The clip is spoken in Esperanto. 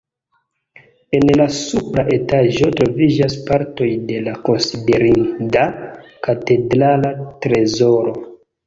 En la supra etaĝo troviĝas partoj de la konsiderinda katedrala trezoro.